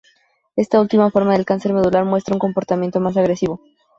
Esta última forma el cáncer medular muestra un comportamiento más agresivo.